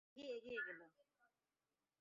উমাইর তার দিকেই এগিয়ে গেল।